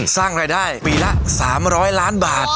สร้างรายได้ปีละ๓๐๐ล้านบาท